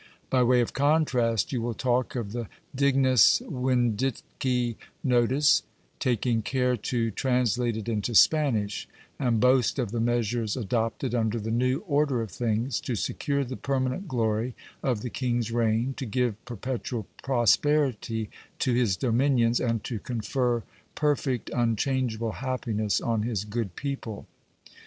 By way of contrast, you will talk of the dignus vindice nodus, taking care to translate it into Spanish ; and boast of the measures adopted under the new order of things, to secure the permanent glory of the king's reign, to give per petual prosperity to his dominions, and to confer perfect, unchangeable happi ness on his good people.